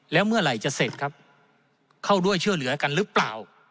แล้วเมื่อไหร่จะเสร็จครับเข้าด้วยช่วยเหลือกันหรือเปล่า